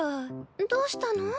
どうしたの？